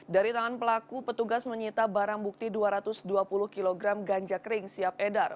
dari tangan pelaku petugas menyita barang bukti dua ratus dua puluh kg ganja kering siap edar